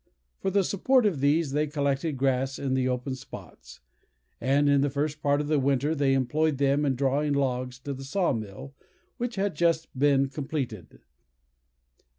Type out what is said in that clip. For the support of these, they collected grass in the open spots; and in the first part of the winter they employed them in drawing logs to the saw mill, which had just been completed.